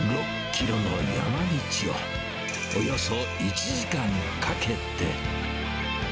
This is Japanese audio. ６キロの山道をおよそ１時間かけて。